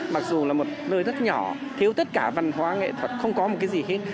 mặc dù là một nơi rất nhỏ thiếu tất cả văn hóa nghệ thuật không có một cái gì hết